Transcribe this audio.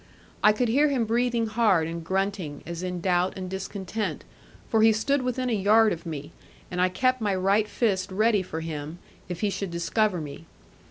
I could hear him breathing hard and grunting, as in doubt and discontent, for he stood within a yard of me, and I kept my right fist ready for him, if he should discover me.